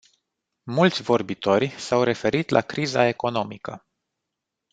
Mulți vorbitori s-au referit la criza economică.